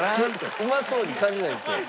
うまそうに感じないんですよ。